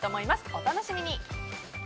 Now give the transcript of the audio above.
お楽しみに。